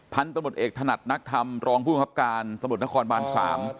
พันธุ์ตมุทรเอกถนัดนักธรรมรองผู้มอบการตมุทรนครบรรษ๓